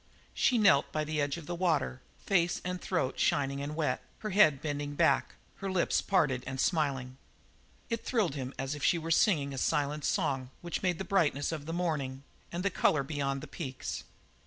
She knelt by the edge of the water, face and throat shining and wet, her head bending back, her lips parted and smiling. It thrilled him as if she were singing a silent song which made the brightness of the morning and the colour beyond the peaks.